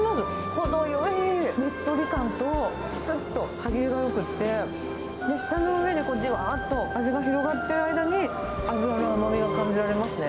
程よいねっとり感と、すっと歯切れがよくって、舌の上でじわーっと味が広がってる間に、脂の甘みを感じられますね。